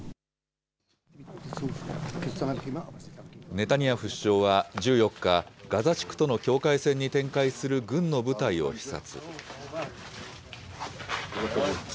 ネタニヤフ首相は１４日、ガザ地区との境界線に展開する軍の部隊を視察。